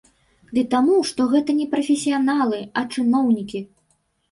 Ды таму, што гэта не прафесіяналы, а чыноўнікі!